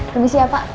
kamu siap pak